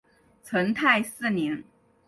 成泰四年。